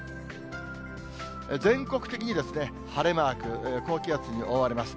全国的に晴れマーク、高気圧に覆われます。